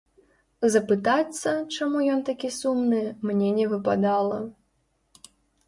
Запытацца, чаму ён такі сумны, мне не выпадала.